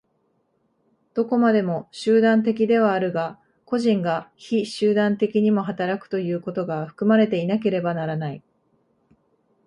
どこまでも集団的ではあるが、個人が非集団的にも働くということが含まれていなければならない。